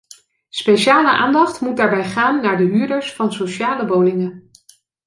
Speciale aandacht moet daarbij gaan naar de huurders van sociale woningen.